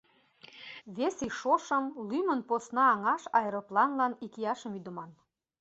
Вес ий шошым лӱмын посна аҥаш аэропланлан икияшым ӱдыман.